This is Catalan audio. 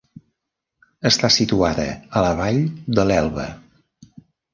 Està situada a la vall de l'Elba.